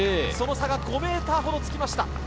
その差が５ｍほどつきました。